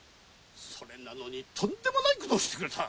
それなのにとんでもないことをしてくれた。